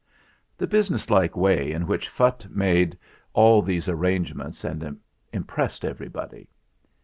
The businesslike way in which Phutt made all these arrangements impressed everybody.